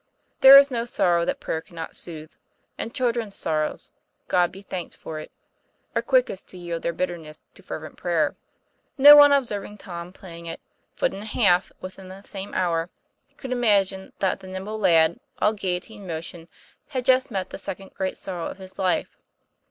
There is no sorrow that prayer cannot soothe; and children's sorrows, God be thanked for it, are quickest to yield their bitterness to fervent prayer. No one observing Tom playing at " foot and a half, " within that same hour, could imagine that the nimble lad, all gayety and motion, had just met the second great sorrow of his life.